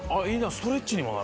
ストレッチにもなるわ。